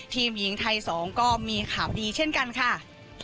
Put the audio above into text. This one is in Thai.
ทีมหญิงไทย๒ก็มีข่าวดีเช่นกันค่ะ